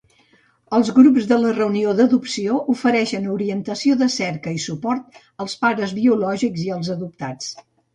Els grups de la reunió d'adopció ofereixen orientació de cerca i suport als pares biològics i als adoptats.